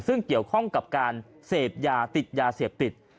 ซึ่งเกี่ยวข้องกับการเสพยาติดยาเสพติด